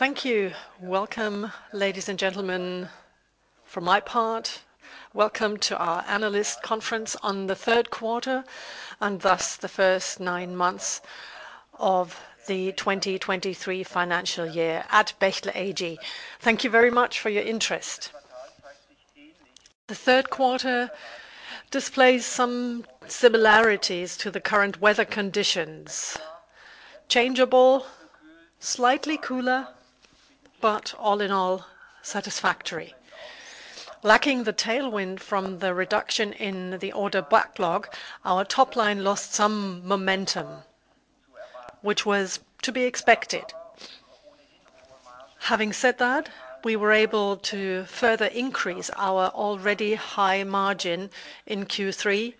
Thank you. Welcome, ladies and gentlemen. From my part, welcome to our analyst conference on the third quarter, and thus the first nine months of the 2023 financial year at Bechtle AG. Thank you very much for your interest. The third quarter displays some similarities to the current weather conditions: changeable, slightly cooler, but all in all, satisfactory. Lacking the tailwind from the reduction in the order backlog, our top line lost some momentum, which was to be expected. Having said that, we were able to further increase our already high margin in Q3.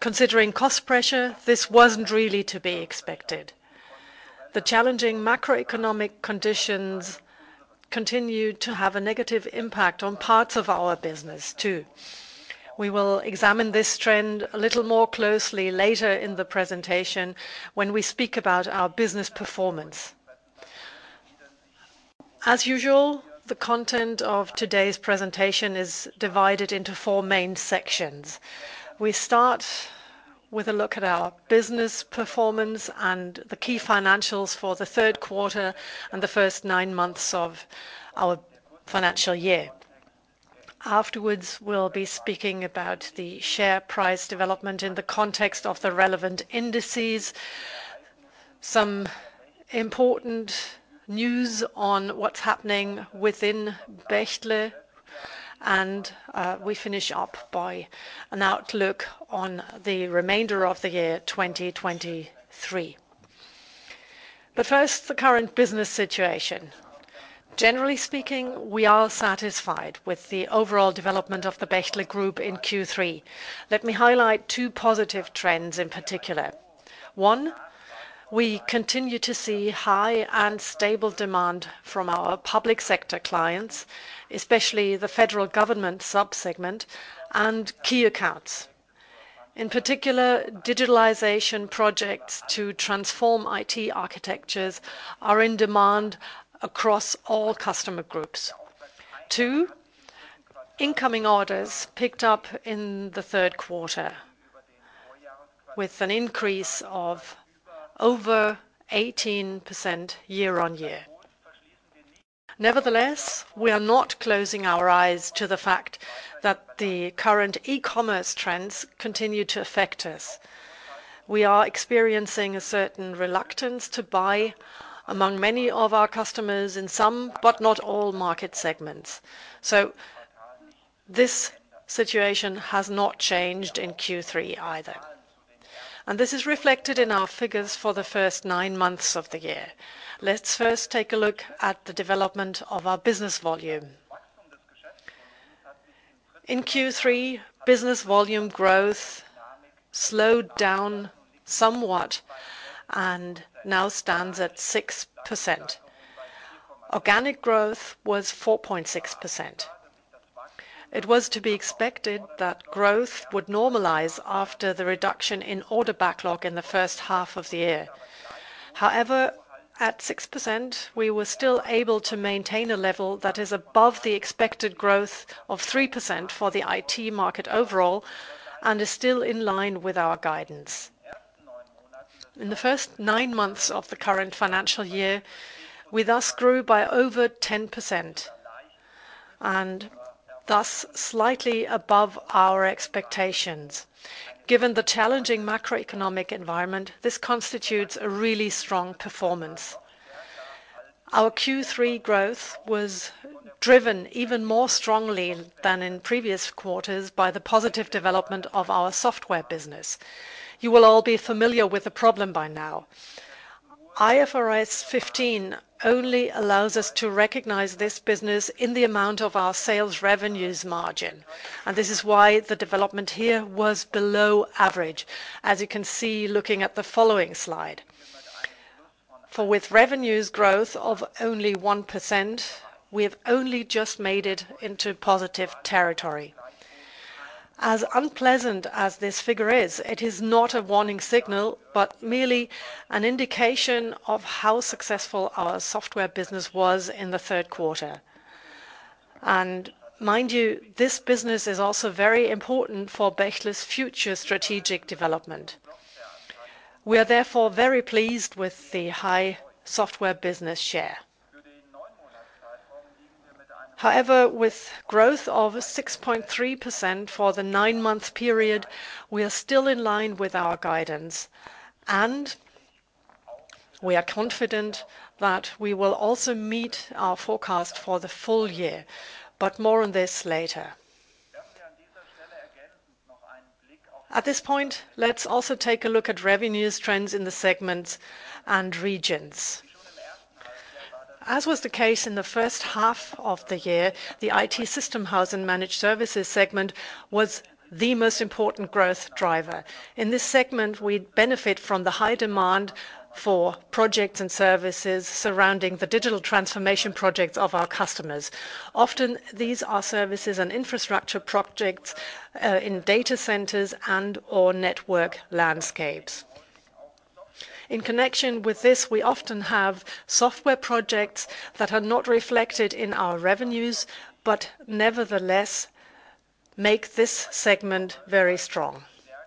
Considering cost pressure, this wasn't really to be expected. The challenging macroeconomic conditions continued to have a negative impact on parts of our business, too. We will examine this trend a little more closely later in the presentation when we speak about our business performance. As usual, the content of today's presentation is divided into four main sections. We start with a look at our business performance and the key financials for the third quarter and the first nine months of our financial year. Afterwards, we'll be speaking about the share price development in the context of the relevant indices, some important news on what's happening within Bechtle, and we finish up by an outlook on the remainder of the year 2023. But first, the current business situation. Generally speaking, we are satisfied with the overall development of the Bechtle Group in Q3. Let me highlight two positive trends in particular. One, we continue to see high and stable demand from our public sector clients, especially the federal government sub-segment and key accounts. In particular, digitalization projects to transform IT architectures are in demand across all customer groups. Two, incoming orders picked up in the third quarter, with an increase of over 18% year-on-year. Nevertheless, we are not closing our eyes to the fact that the current e-commerce trends continue to affect us. We are experiencing a certain reluctance to buy among many of our customers in some, but not all, market segments. This situation has not changed in Q3 either, and this is reflected in our figures for the first nine months of the year. Let's first take a look at the development of our business volume. In Q3, business volume growth slowed down somewhat and now stands at 6%. Organic growth was 4.6%. It was to be expected that growth would normalize after the reduction in order backlog in the first half of the year. However, at 6%, we were still able to maintain a level that is above the expected growth of 3% for the IT market overall and is still in line with our guidance. In the first nine months of the current financial year, we thus grew by over 10% and thus slightly above our expectations. Given the challenging macroeconomic environment, this constitutes a really strong performance. Our Q3 growth was driven even more strongly than in previous quarters by the positive development of our software business. You will all be familiar with the problem by now. IFRS 15 only allows us to recognize this business in the amount of our sales revenues margin, and this is why the development here was below average, as you can see, looking at the following slide. For with revenue growth of only 1%, we have only just made it into positive territory. As unpleasant as this figure is, it is not a warning signal, but merely an indication of how successful our software business was in the third quarter. And mind you, this business is also very important for Bechtle's future strategic development. We are therefore very pleased with the high software business share. However, with growth of 6.3% for the nine-month period, we are still in line with our guidance, and we are confident that we will also meet our forecast for the full year. But more on this later. At this point, let's also take a look at revenue trends in the segments and regions. As was the case in the first half of the year, the IT System House and Managed Services segment was the most important growth driver. In this segment, we benefit from the high demand for projects and services surrounding the Digital Transformation projects of our customers. Often, these are services and infrastructure projects in data centers and or network landscapes. In connection with this, we often have software projects that are not reflected in our revenues, but nevertheless, make this segment very strong.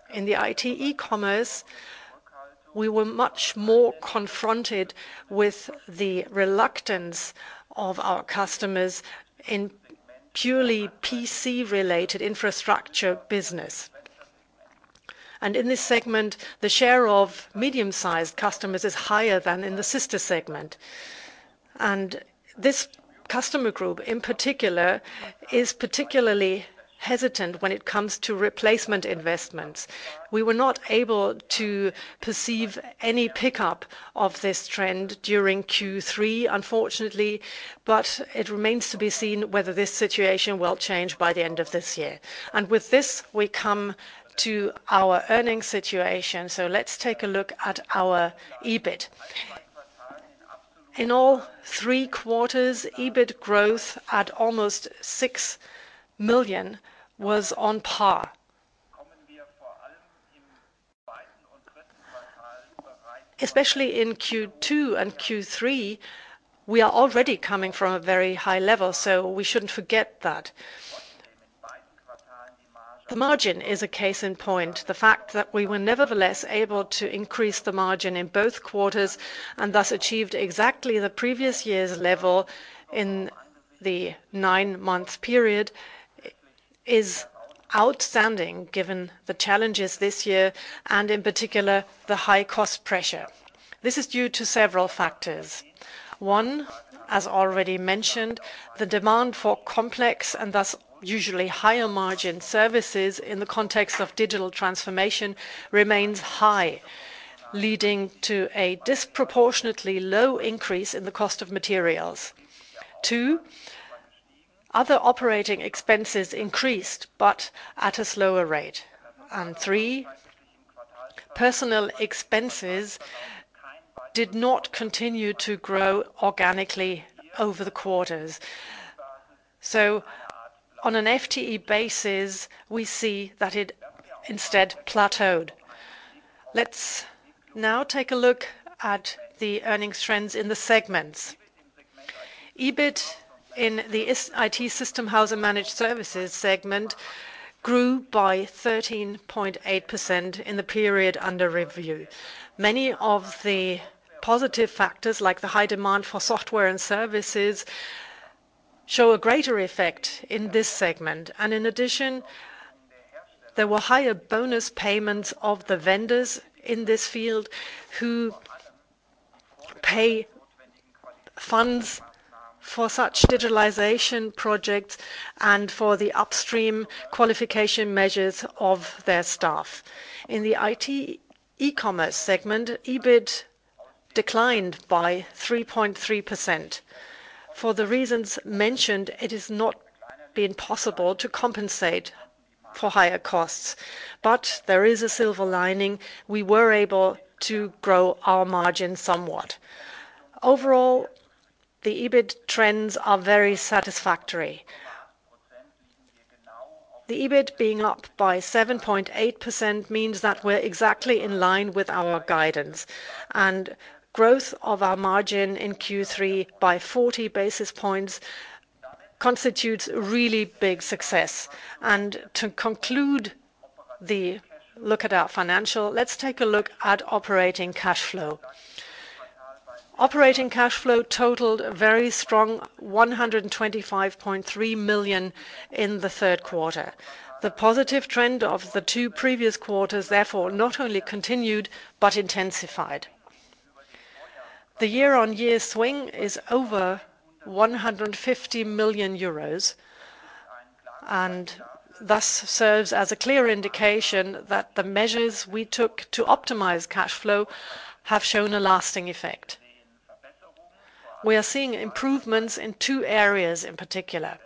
In the IT e-commerce, we were much more confronted with the reluctance of our customers in purely PC-related infrastructure business. And In this segment, the share of medium-sized customers is higher than in the sister segment. This customer group, in particular, is particularly hesitant when it comes to replacement investments. We were not able to perceive any pickup of this trend during Q3 unfortunately, but it remains to be seen whether this situation will change by the end of this year. With this, we come to our earnings situation. So let's take a look at our EBIT. In all three quarters, EBIT growth at almost 6 million was on par. Especially in Q2 and Q3, we are already coming from a very high level, so we shouldn't forget that. The margin is a case in point. The fact that we were nevertheless able to increase the margin in both quarters, and thus achieved exactly the previous year's level in the nine-month period, is outstanding, given the challenges this year and in particular, the high cost pressure. This is due to several factors. One, as already mentioned, the demand for complex and thus usually higher margin services in the context of digital transformation remains high, leading to a disproportionately low increase in the cost of materials. Two, other operating expenses increased, but at a slower rate. And three, personal expenses did not continue to grow organically over the quarters. So on an FTE basis, we see that it instead plateaued. Let's now take a look at the earnings trends in the segments. EBIT in the IT System House and Managed Services segment grew by 13.8% in the period under review. Many of the positive factors, like the high demand for software and services, show a greater effect in this segment, and in addition, there were higher bonus payments of the vendors in this field who pay funds for such digitalization projects and for the upstream qualification measures of their staff. In the IT E-Commerce segment, EBIT declined by 3.3%. For the reasons mentioned, it has not been possible to compensate for higher costs. But there is a silver lining. We were able to grow our margin somewhat. Overall, the EBIT trends are very satisfactory. The EBIT being up by 7.8% means that we're exactly in line with our guidance, and growth of our margin in Q3 by 40 basis points constitutes a really big success. To conclude the look at our financial, let's take a look at operating cash flow. Operating cash flow totaled a very strong 125.3 million in the third quarter. The positive trend of the two previous quarters, therefore, not only continued, but intensified. The year-on-year swing is over 150 million euros, and thus serves as a clear indication that the measures we took to optimize cash flow have shown a lasting effect. We are seeing improvements in two areas in particular.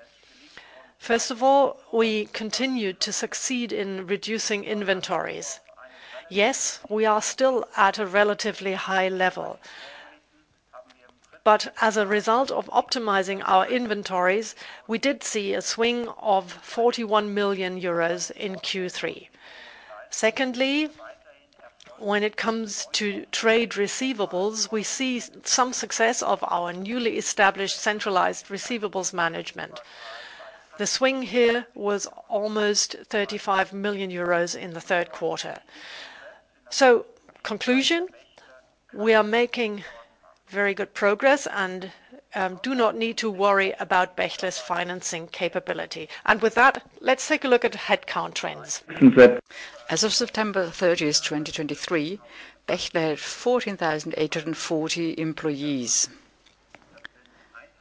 First of all, we continued to succeed in reducing inventories. Yes, we are still at a relatively high level, but as a result of optimizing our inventories, we did see a swing of EUR 41 million in Q3. Secondly, when it comes to trade receivables, we see some success of our newly established centralized receivables management. The swing here was almost 35 million euros in the third quarter. So conclusion, we are making very good progress and do not need to worry about Bechtle's financing capability. And with that, let's take a look at headcount trends. As of September 30, 2023, Bechtle had 14,840 employees.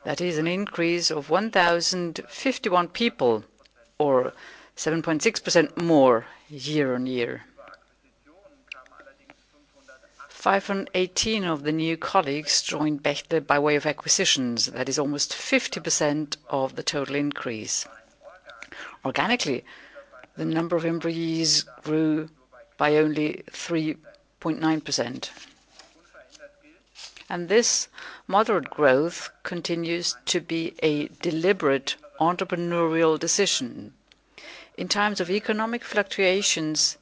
That is an increase of 1,051 people or 7.6% more year-on-year. 518 of the new colleagues joined Bechtle by way of acquisitions. That is almost 50% of the total increase. Organically, the number of employees grew by only 3.9%. And this moderate growth continues to be a deliberate entrepreneurial decision. In times of economic fluctuations,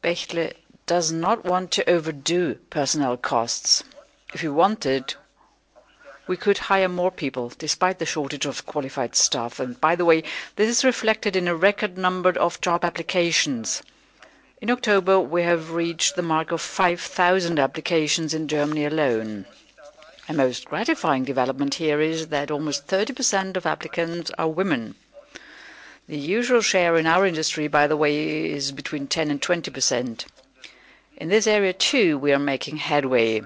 Bechtle does not want to overdo personnel costs. If we wanted, we could hire more people despite the shortage of qualified staff. And by the way, this is reflected in a record number of job applications. In October, we have reached the mark of 5,000 applications in Germany alone. A most gratifying development here is that almost 30% of applicants are women. The usual share in our industry, by the way, is between 10% and 20%. In this area, too, we are making headway.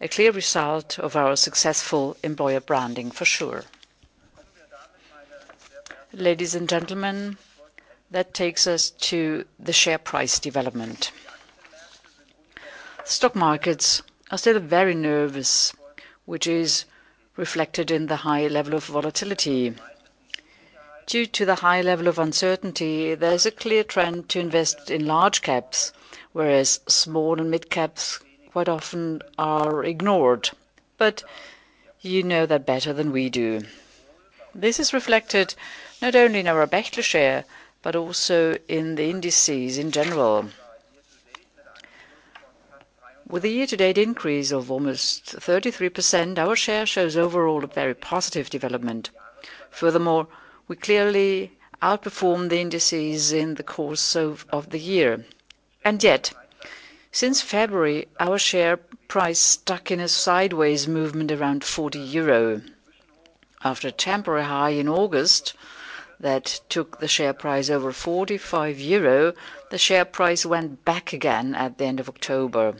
A clear result of our successful employer branding, for sure. Ladies and gentlemen, that takes us to the share price development. Stock markets are still very nervous, which is reflected in the high level of volatility. Due to the high level of uncertainty, there is a clear trend to invest in large caps, whereas small and mid caps quite often are ignored. But you know that better than we do. This is reflected not only in our Bechtle share, but also in the indices in general. With a year-to-date increase of almost 33%, our share shows overall a very positive development. Furthermore, we clearly outperformed the indices in the course of the year. And yet, since February, our share price stuck in a sideways movement around 40 euro. After a temporary high in August that took the share price over 45 euro, the share price went back again at the end of October.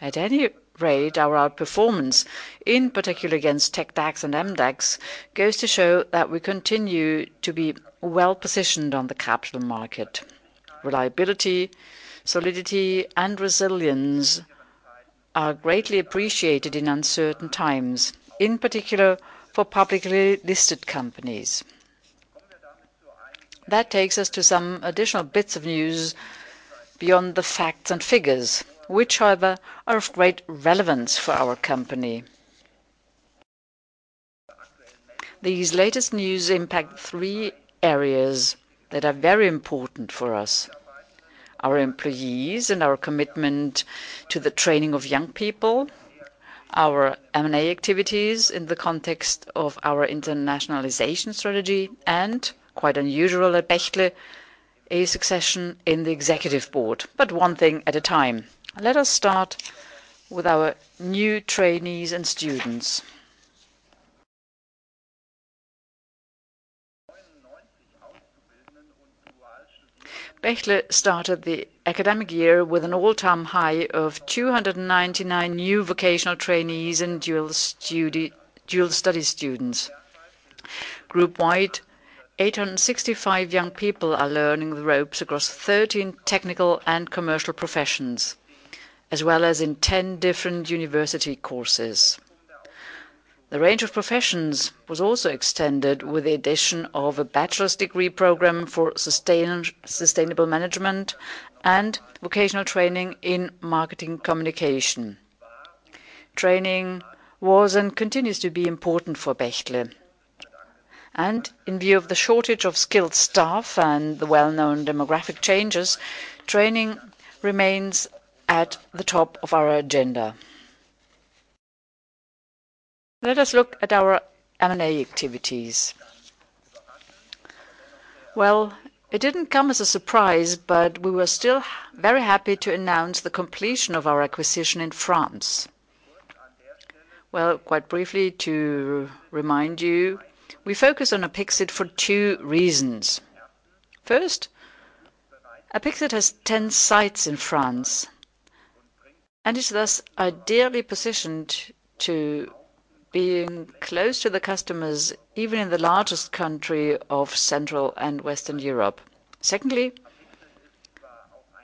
At any rate, our outperformance, in particular against TecDAX and MDAX, goes to show that we continue to be well-positioned on the capital market. Reliability, solidity, and resilience are greatly appreciated in uncertain times, in particular for publicly listed companies. That takes us to some additional bits of news beyond the facts and figures, which, however, are of great relevance for our company. These latest news impact three areas that are very important for us: our employees and our commitment to the training of young people, our M&A activities in the context of our internationalization strategy, and quite unusual at Bechtle, a succession in the executive board. But one thing at a time. Let us start with our new trainees and students. Bechtle started the academic year with an all-time high of 299 new vocational trainees and dual study, dual study students. Group-wide, 865 young people are learning the ropes across 13 technical and commercial professions, as well as in 10 different university courses. The range of professions was also extended with the addition of a bachelor's degree program for Sustainable Management and vocational training in Marketing communication. Training was, and continues to be important for Bechtle. And in view of the shortage of skilled staff and the well-known demographic changes, training remains at the top of our agenda. Let us look at our M&A activities. Well, it didn't come as a surprise, but we were still very happy to announce the completion of our acquisition in France. Well, quite briefly, to remind you, we focus on APIXIT for two reasons. First, APIXIT has 10 sites in France, and is thus ideally positioned to being close to the customers, even in the largest country of Central and Western Europe. Secondly,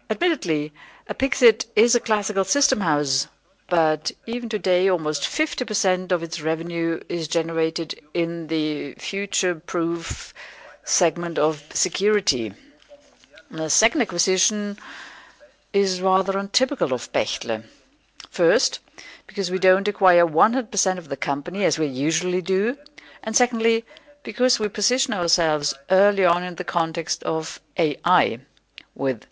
admittedly, APIXIT is a classical system house, but even today, almost 50% of its revenue is generated in the future-proof segment of security. The second acquisition is rather untypical of Bechtle. First, because we don't acquire 100% of the company, as we usually do, and secondly, because we position ourselves early on in the context of AI with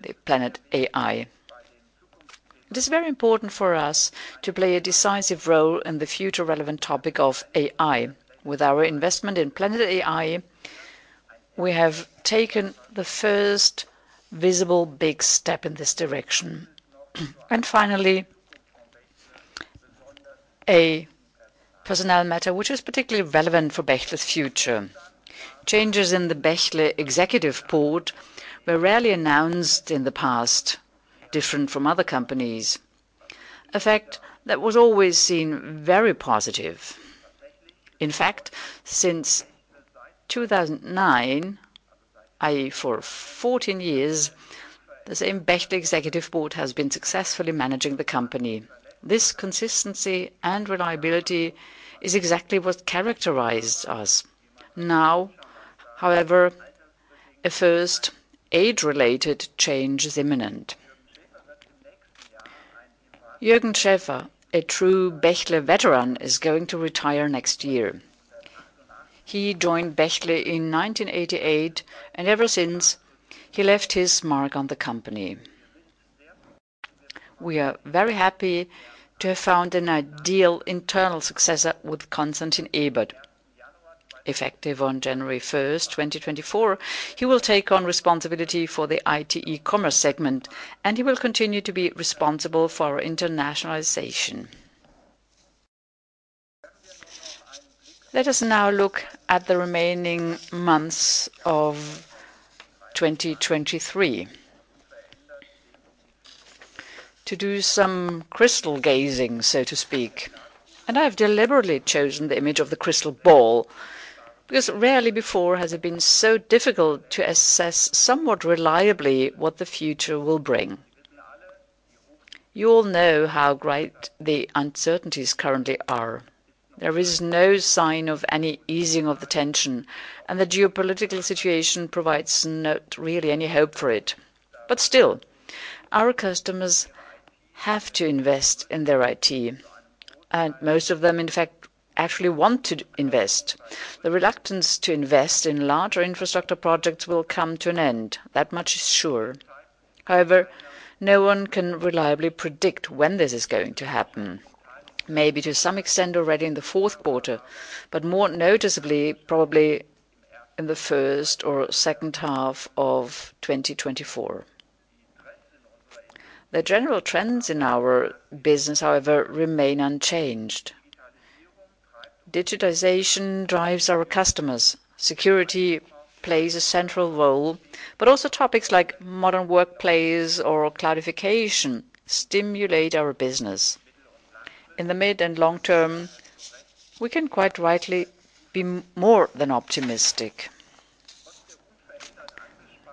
the Planet AI. It is very important for us to play a decisive role in the future relevant topic of AI. With our investment in Planet AI, we have taken the first visible, big step in this direction. Finally, a personnel matter, which is particularly relevant for Bechtle's future. Changes in the Bechtle executive board were rarely announced in the past, different from other companies. A fact that was always seen very positive. In fact, since 2009, i.e., for 14 years, the same Bechtle executive board has been successfully managing the company. This consistency and reliability is exactly what characterized us. Now however, a first age-related change is imminent. Jürgen Schäfer, a true Bechtle veteran, is going to retire next year. He joined Bechtle in 1988, and ever since, he left his mark on the company. We are very happy to have found an ideal internal successor with Konstantin Ebert. Effective on January 1, 2024, he will take on responsibility for the IT E-Commerce segment, and he will continue to be responsible for internationalization. Let us now look at the remaining months of 2023. To do some crystal gazing, so to speak, and I have deliberately chosen the image of the crystal ball, because rarely before has it been so difficult to assess somewhat reliably what the future will bring. You all know how great the uncertainties currently are. There is no sign of any easing of the tension, and the geopolitical situation provides not really any hope for it. But still, our customers have to invest in their IT, and most of them, in fact, actually want to invest. The reluctance to invest in larger infrastructure projects will come to an end, that much is sure. However, no one can reliably predict when this is going to happen. Maybe to some extent already in the fourth quarter, but more noticeably, probably in the first or second half of 2024. The general trends in our business, however, remain unchanged. Digitization drives our customers. Security plays a central role, but also topics like Modern Workplace or cloudification stimulate our business. In the mid and long term, we can quite rightly be more than optimistic.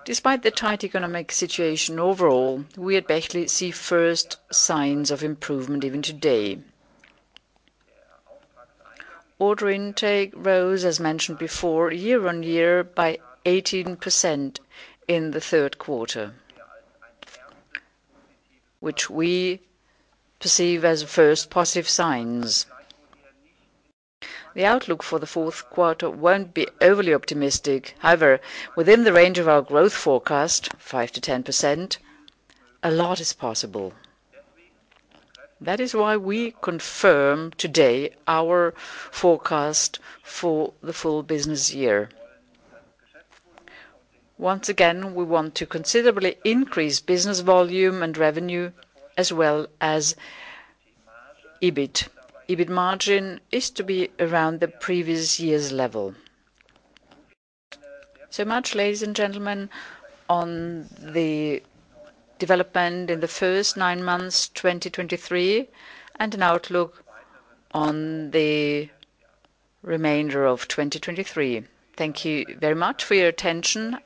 Despite the tight economic situation overall, we at Bechtle see first signs of improvement even today. Order intake rose, as mentioned before, year-on-year by 18% in the third quarter, which we perceive as first positive signs. The outlook for the fourth quarter won't be overly optimistic. However, within the range of our growth forecast, 5% to 10%, a lot is possible. That is why we confirm today our forecast for the full business year. Once again, we want to considerably increase business volume and revenue, as well as EBIT. EBIT margin is to be around the previous year's level. So much, ladies and gentlemen, on the development in the first nine months, 2023, and an outlook on the remainder of 2023. Thank you very much for your attention.